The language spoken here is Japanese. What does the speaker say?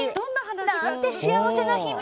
何て幸せな秘密！